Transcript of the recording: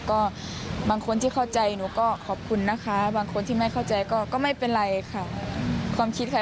ก็บางคนที่เข้าใจหนูก็ขอบคุณนะคะบางคนที่ไม่เข้าใจก็ไม่เป็นไรค่ะความคิดค่ะ